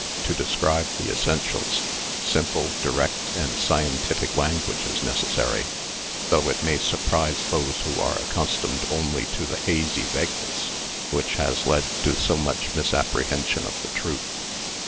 To de scribe the essentials, simple, direct and scientific language is necessary, though It may surprise those 40 Married Love who are accustomed only to the hazy vagueness which has led to so much misapprehension of the truth.